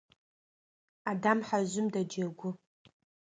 Адам хьэжъым дэджэгу.